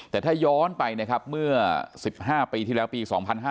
แต่ถ้าย้อนไปนะครับเมื่อ๑๕ปีที่แล้วปี๒๕๕๙